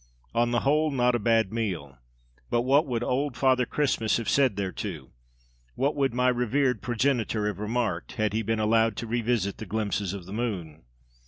On the whole, not a bad meal; but what would old Father Christmas have said thereto? What would my revered progenitor have remarked, had he been allowed to revisit the glimpses of the moon?